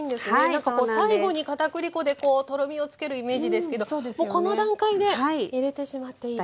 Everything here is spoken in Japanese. なんかこう最後に片栗粉でこうとろみをつけるイメージですけどもうこの段階で入れてしまっていいと。